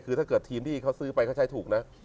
คือถ้าเกิดทีมที่เขาซื้อไปเขาใช้ถูกนะ